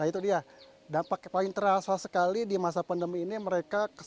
nah itu dia dampaknya paling terasa sekali di masa pandemi ini mereka